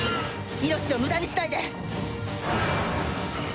命を無駄にしないで！